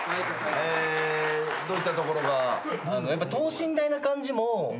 どういったところが？